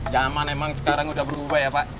zaman emang sekarang udah berubah ya pak